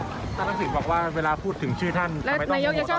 แล้วถ้าทักศิลป์บอกว่าเวลาพูดถึงชื่อท่านทำไมต้องโมงตลอดเลย